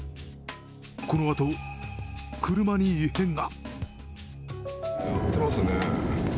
このあと、車に異変が。